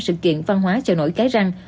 sự kiện văn hóa chợ nổi cái răng